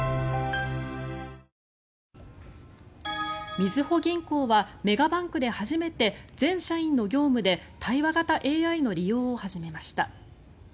みずほ銀行はメガバンクで初めて全社員の業務で対話型ＡＩの利用を始めました。